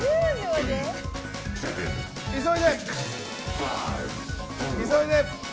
急いで！